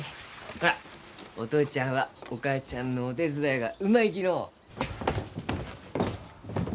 ほらお父ちゃんはお母ちゃんのお手伝いがうまいきのう。